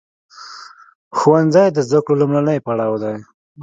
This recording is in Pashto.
ښوونځی د زده کړو لومړی پړاو دی.